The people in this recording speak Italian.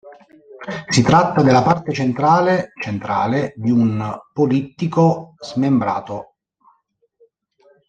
Si tratta della parte centrale centrale di un polittico smembrato.